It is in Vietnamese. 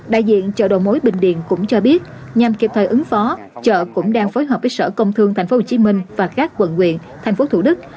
đại diện chợ đồ mối bình điên cũng cho biết nhằm kịp thời ứng phó chợ cũng đang phối hợp với sở công thương tp hcm và các quận quyền tp thủ đức